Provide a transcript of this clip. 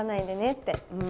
って。